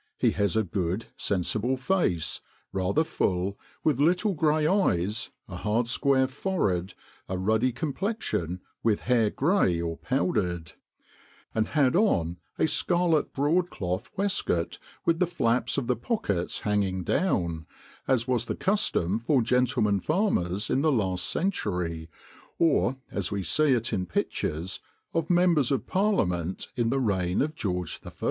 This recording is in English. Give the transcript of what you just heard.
He has a good, sensible face, rather full, with little gray eyes, a hard square forehead, a ruddy complexion, with hair gray or powdered; and had on a scarlet broadcloth waistcoat with the flaps of the pockets hanging down, as was the custom for gentleman farmers in the last century, or as we see it in pictures of members of parliament in the reign of George I.